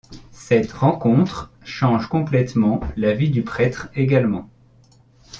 Cette rencontre change complètement la vie du prêtre également.